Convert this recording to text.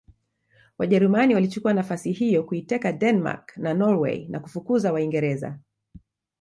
Wajerumani walichukua nafasi hiyo kuiteka Denmark na Norway na kufukuza Waingereza